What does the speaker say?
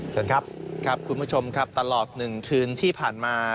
เชิญครับครับคุณผู้ชมครับตลอด๑คืนที่ผ่านมา